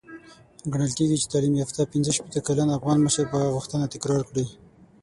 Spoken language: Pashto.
ګڼل کېږي چې تعليم يافته پنځه شپېته کلن افغان مشر به غوښتنه تکرار کړي.